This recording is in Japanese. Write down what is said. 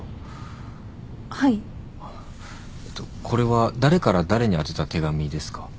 これは誰から誰に宛てた手紙ですか？